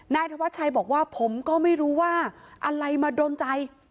นายธวัชชัยบอกว่าผมก็ไม่รู้ว่าอะไรมาโดนใจ